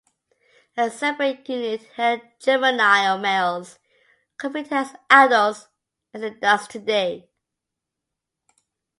A separate unit held juvenile males convicted as adults, as it does today.